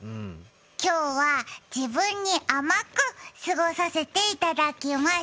今日は自分に甘く過ごさせていただきます。